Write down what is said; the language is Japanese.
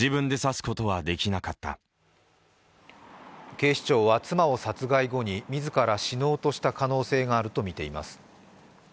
警視庁は妻を殺害後に自ら死のうとした可能性があるとみています。